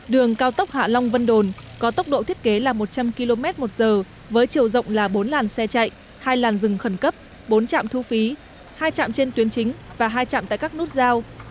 đường cao tốc hạ long vân đồn có tốc độ thiết kế là một trăm linh km một giờ với chiều rộng là bốn làn xe chạy hai làn rừng khẩn cấp bốn trạm thu phí hai trạm trên tuyến chính và hai chạm tại các nút giao